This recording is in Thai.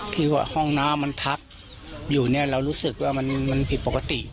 ที่ว่าห้องน้ำมันทับอยู่เนี่ยเรารู้สึกว่ามันผิดปกติ